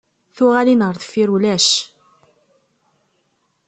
Tuɣalin ɣer deffir ulac!